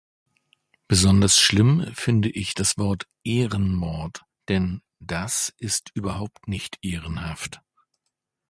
Besonders schlimm finde ich das Wort "Ehrenmord", denn das ist überhaupt nicht ehrenhaft.